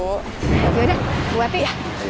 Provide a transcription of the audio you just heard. udah buat ya